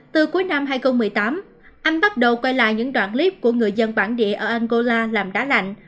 từ cuối năm hai nghìn một mươi tám anh bắt đầu quay lại những đoạn clip của người dân bản địa ở angola làm đá lạnh